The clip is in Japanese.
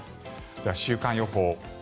では、週間予報。